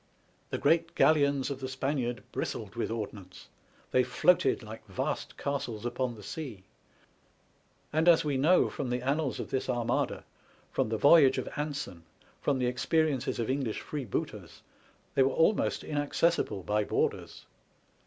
The great galleons of the Spaniard bristled with ordnance, they floated like vast castles upon the sea, and as we know from the annals of this Armada, from the voyage of Anson, from the experiences of English freebooters, they were almost inaccessible by boarders.